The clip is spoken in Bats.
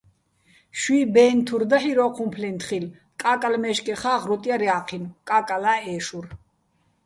შუჲ ბე́ნ თურ დაჰ̦ირ ო́ჴუმფლეჼ თხილ, კაკალ მე́შკეხა́ ღრუტ ჲარ ჲა́ჴინო̆, კა́კალა́ ე́შურ.